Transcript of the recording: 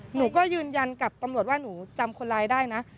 หนูก็ยืนยันกับตำรวจว่าหนูจำคนร้ายได้นะ